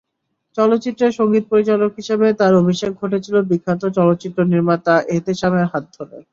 চলচ্চিত্রে সংগীত পরিচালক হিসেবে তাঁর অভিষেক ঘটেছিল বিখ্যাত চলচ্চিত্রনির্মাতা এহতেশামের হাত ধরে।